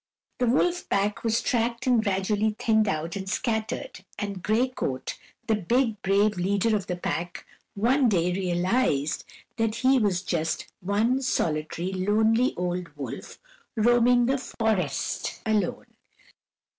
The wolf pack was tracked and gradually thinned out and scattered, and Gray Coat, the big, brave leader of the pack, one day realized that he was just one solitary, lonely old wolf roaming the forests alone.